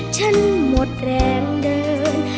ฉันหมดแรงเดิน